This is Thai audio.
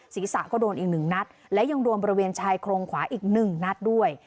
ศีรษะก็โดนอีก๑นัทและยังโดนบริเวณชายโครงขวาอีก๑นัทด้วย